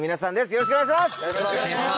よろしくお願いします。